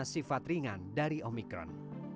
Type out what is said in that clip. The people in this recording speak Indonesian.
sifat ringan dari omikron